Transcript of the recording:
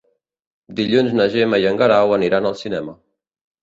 Dilluns na Gemma i en Guerau aniran al cinema.